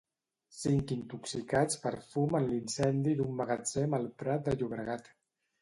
Cinc intoxicats per fum en l'incendi d'un magatzem al Prat de Llobregat.